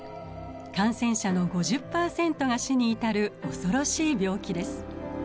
感染者の５０％が死に至る恐ろしい病気です。